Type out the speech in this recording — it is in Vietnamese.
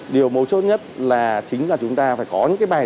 điều mấu chốt nhất là chính là chúng ta phải có tính mạng